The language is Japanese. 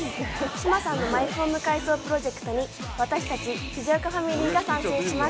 志麻さんのマイホーム改装プロジェクトに私達、藤岡ファミリーが参戦します。